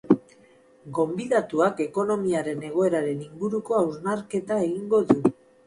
Gonbidatuak ekonomiaren egoeraren inguruko hausnarketa egingo du.